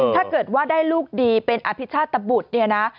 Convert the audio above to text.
ถ้าเกิดว่าได้ลูกดีเป็นอภิชาตบุตรเนี่ยนะ